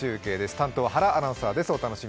担当は原アナウンサーです。